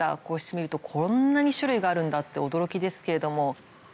こうして見るとこんなに種類があるんだって驚きですけれども。